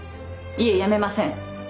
いえやめません！